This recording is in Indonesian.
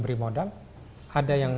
beri modal ada yang